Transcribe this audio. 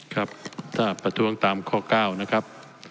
ครับถ้าประท้วงตามข้อ๙นะครับ